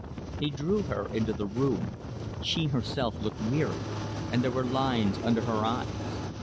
He drew her into the room. She herself looked weary, and there were lines under her eyes.